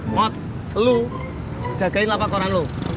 mot lu jagain lapak koran lo